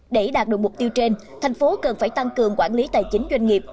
để đạt được mục tiêu trên thành phố cần phải tăng cường quản lý tài chính doanh nghiệp